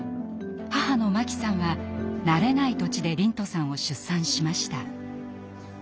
母の真紀さんは慣れない土地で龍翔さんを出産しました。